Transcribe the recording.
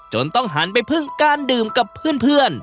ต้องหันไปพึ่งการดื่มกับเพื่อน